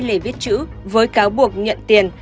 lê viết chữ với cáo buộc nhận tiền